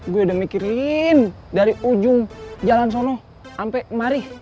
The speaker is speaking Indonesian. gue udah mikirin dari ujung jalan sono sampai mari